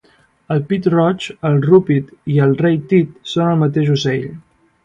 El pit-roig, el rupit i el rei-tit són el mateix ocell